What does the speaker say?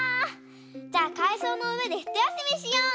じゃあかいそうのうえでひとやすみしよう。